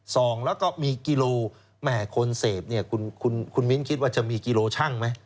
สองแล้วก็มีกิโลแหมคนเสพเนี่ยคุณคุณมิ้นคิดว่าจะมีกิโลชั่งไหม